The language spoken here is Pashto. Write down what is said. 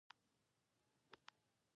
يو وخت يې سترګې رڼې کړې.